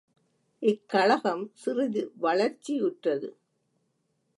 இக் கழகம் சிறிது வளர்ச்சியுற்றது.